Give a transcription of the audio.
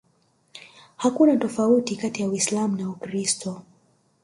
Hakuna tofauti kati ya Uislam na Ukristo